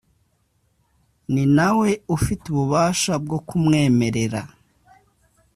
ni na we ufite ububasha bwo kumwemerera